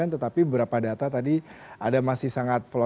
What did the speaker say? tetapi beberapa data tadi ada masih sangat flow